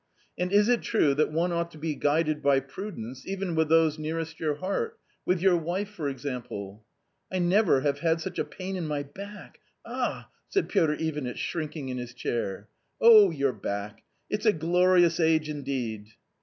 " And is it true that one ought to be guided by prudence even with those nearest your heart— with your wife, for example ?" "I never have had such a pain in my back — ah?" said Piotr Ivanitch, shrinking in his chair. " Oh, your back ! It's a glorious age indeed